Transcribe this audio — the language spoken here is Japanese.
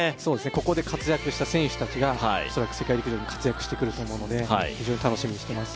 ここで活躍した選手達が恐らく世界陸上で活躍してくると思うので非常に楽しみにしてます